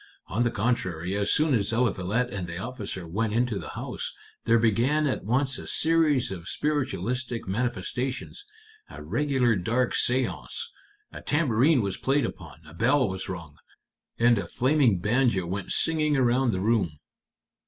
On the contrary, as soon as Eliphalet and the officer went into the house, there began at once a series of spiritualistic manifestations a regular dark séance. A tambourine was played upon, a bell was rung, and a flaming banjo went singing around the room."